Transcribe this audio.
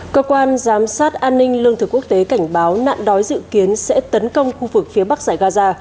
cơ quan giám sát an ninh lương thực quốc tế cảnh báo nạn đói dự kiến sẽ tấn công khu vực phía bắc giải gaza